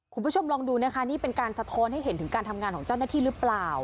คุณผู้ชมลองดูนะคะนี่เป็นการสะท้อนให้เห็นถึงการทำงานของเจ้าหน้าที่หรือเปล่า